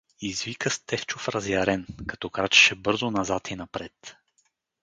— извика Стефчов разярен, като крачеше бързо назад и напред.